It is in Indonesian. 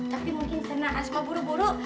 tapi mungkin karena asma buru buru